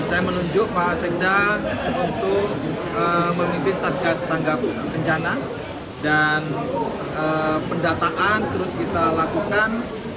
saya menunjuk pak sekda untuk memimpin satgas tanggap bencana dan pendataan terus kita lakukan